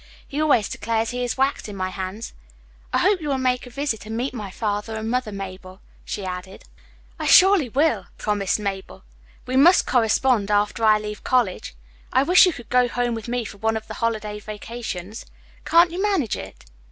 "He always declares he is wax in my hands. I hope you will make me a visit and meet my father and mother, Mabel," she added. "I surely will," promised Mabel. "We must correspond after I leave college. I wish you could go home with me for one of the holiday vacations. Can't you manage it?"